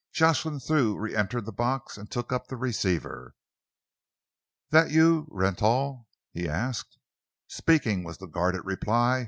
Jocelyn Thew reentered the box and took up the receiver. "That you, Rentoul?" he asked. "Speaking," was the guarded reply.